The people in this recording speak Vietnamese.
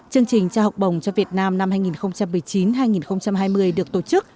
chương trình trao học bổng cho việt nam năm hai nghìn một mươi chín hai nghìn hai mươi được tổ chức